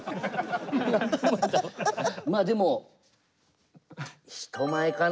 まあでも人前かな。